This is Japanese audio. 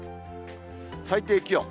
最低気温。